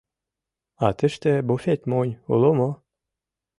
— А тыште буфет монь уло мо?